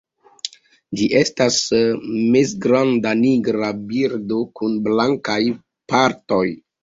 Ĝi estas mezgranda nigra birdo kun blankaj partoj.